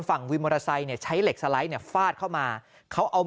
วินมอเตอร์ไซค์เนี่ยใช้เหล็กสไลด์เนี่ยฟาดเข้ามาเขาเอา